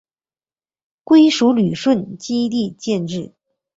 归属旅顺基地建制。